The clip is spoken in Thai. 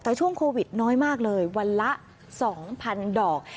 แต่ช่วงโควิดน้อยมากเลยวันละ๒๐๐๐ดอก